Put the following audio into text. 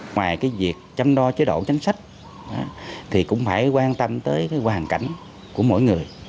ngoài việc chăm đo chế độ tránh sách cũng phải quan tâm tới hoàn cảnh của mỗi người